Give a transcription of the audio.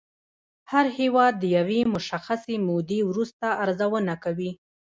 هر هېواد د یوې مشخصې مودې وروسته ارزونه کوي